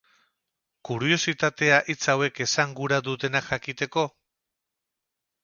Kuriositatea hitz hauek esan gura dutena jakiteko?